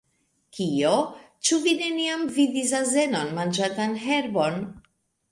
"Kio? Ĉu vi neniam vidis azenon manĝanta herbon?